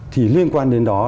thì liên quan đến đó